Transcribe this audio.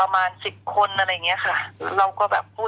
มันก็เลยแบบ